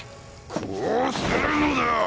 こうするのだ！